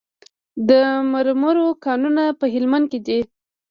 د مرمرو کانونه په هلمند کې دي